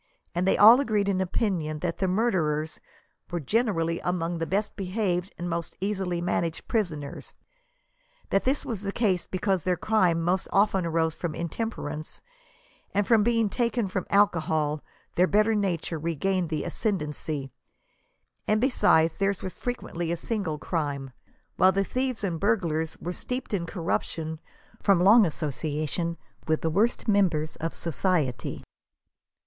and they all agreed in opinion that the murderers* were generally among the best behaved and most easily managed prisoners ; that this was the case because their crime most often arose from intemper ance, and being taken from alcohol their better nature regained the ascendancy ; and besides, theirs was frequently a single, crime, while the thieves and burglars were steeped in corrup tion from long association with the worst members of society.